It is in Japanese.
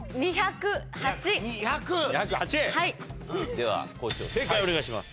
では校長正解をお願いします。